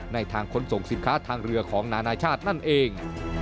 ในทางขนส่งสินค้าทางเรือของนานาชาตินั่นเอง